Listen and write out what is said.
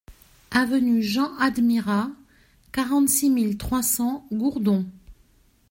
Avenue Jean Admirat, quarante-six mille trois cents Gourdon